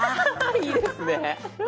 いいですね。